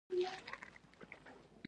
هدف او منابع د مدیریت مهم عناصر دي.